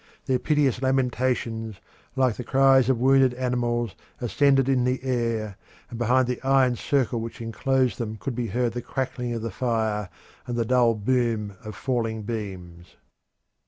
Their piteous lamentations, like the cries of wounded animals, ascended in the air, and behind the iron circle which enclosed them could be heard the crackling of the fire and the dull boom of falling beams.